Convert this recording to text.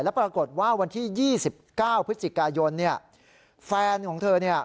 แล้วปรากฏว่าวันที่๒๙พฤศจิกายนเนี่ยแฟนของเธอเนี่ย